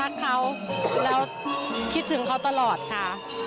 รักเขาแล้วคิดถึงเขาตลอดค่ะ